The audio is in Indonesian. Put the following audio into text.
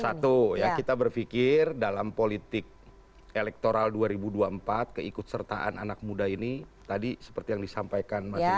satu ya kita berpikir dalam politik elektoral dua ribu dua puluh empat keikut sertaan anak muda ini tadi seperti yang disampaikan mas riko